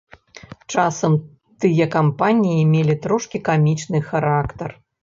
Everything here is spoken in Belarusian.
Часам тыя кампаніі мелі трошкі камічны характар.